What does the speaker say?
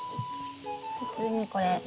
普通にこれ。